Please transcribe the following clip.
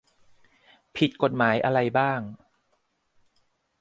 ผิดกฎหมายอะไรบ้าง